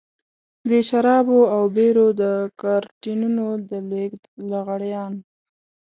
د شرابو او بيرو د کارټنونو د لېږد لغړيان.